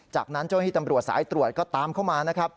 จากนั้นตำรวจสายตรวจก็ตามเข้ามา